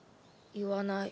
言わない。